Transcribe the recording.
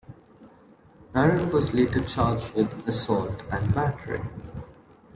Narron was later charged with assault and battery.